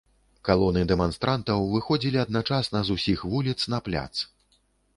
Калоны дэманстрантаў выходзілі адначасна з усіх вуліц на пляц.